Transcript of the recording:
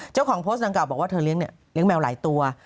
เจ้าของโพสต์ดังกล่าบอกว่าเธอเลี้ยงแมวหลายตัว